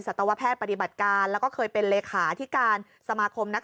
ตวแพทย์ปฏิบัติการแล้วก็เคยเป็นเลขาที่การสมาคมนัก